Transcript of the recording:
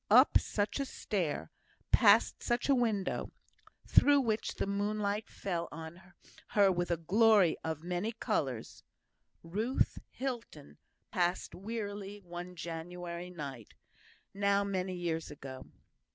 Up such a stair past such a window (through which the moonlight fell on her with a glory of many colours) Ruth Hilton passed wearily one January night, now many years ago.